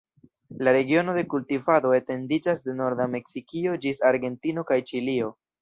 La regiono de kultivado etendiĝas de norda Meksikio ĝis Argentino kaj Ĉilio.